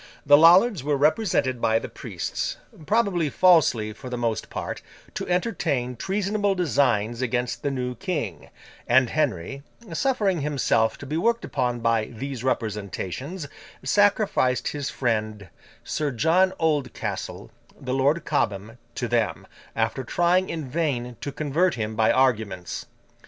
The Lollards were represented by the priests—probably falsely for the most part—to entertain treasonable designs against the new King; and Henry, suffering himself to be worked upon by these representations, sacrificed his friend Sir John Oldcastle, the Lord Cobham, to them, after trying in vain to convert him by arguments.